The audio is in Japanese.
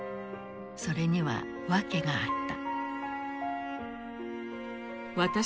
それには訳があった。